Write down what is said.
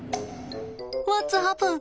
ワッツハプン？